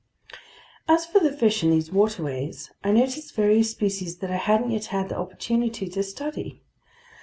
As for the fish in these waterways, I noted various species that I hadn't yet had the opportunity to study.